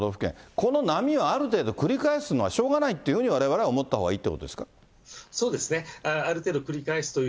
この波はある程度、繰り返すのはしょうがないっていうふうにわれわれは思ったほうがそうですね、ある程度繰り返すという。